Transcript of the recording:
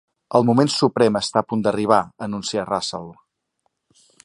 El moment suprem està a punt d'arribar —anuncia Russell.